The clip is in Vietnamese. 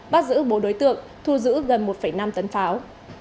bắt giữ bốn đối tượng thu giữ gần một năm tấn pháo